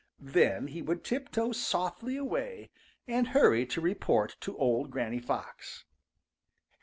Then he would tiptoe softly away and hurry to report to old Granny Fox.